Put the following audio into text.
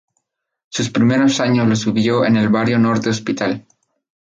Sus primeros años los vivió en el barrio Norte Hospital.